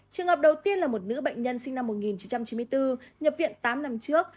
trường hợp đầu tiên là một nữ bệnh nhân sinh năm một nghìn chín trăm chín mươi bốn nhập viện tám năm trước